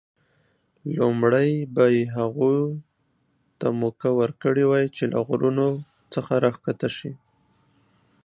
لومړی به یې هغوی ته موقع ورکړې وای چې له غرونو څخه راښکته شي.